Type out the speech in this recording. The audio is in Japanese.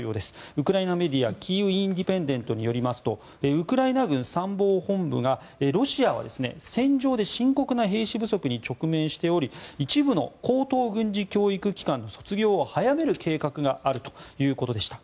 ウクライナメディアキーウ・インディペンデントによりますとウクライナ軍参謀本部がロシアは戦場で深刻な兵士不足に直面しており一部の高等軍事教育機関の卒業を早める計画があるということでした。